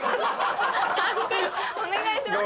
判定お願いします。